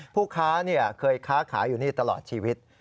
ผู้ค้าเคยค้าขายอยู่นี่ตลอดชีวิต